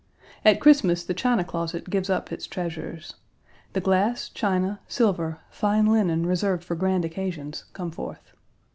At Christmas the china closet gives up its treasures. The glass, china, silver, fine linen reserved for grand occasions come forth.